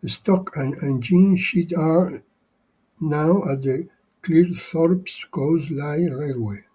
The stock and engine shed are now at the Cleethorpes Coast Light Railway.